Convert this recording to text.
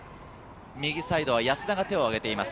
右サイド安田が手をあげています。